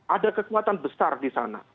ada kekuatan besar di sana